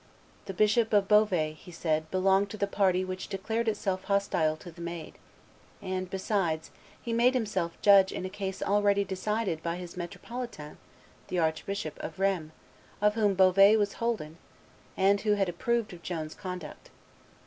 The Bishop of Beauvais, he said, belonged to the party which declared itself hostile to the Maid; and, besides, he made himself judge in a case already decided by his metropolitan, the Archbishop of Rheims, of whom Beauvais was holden, and who had approved of Joan's conduct.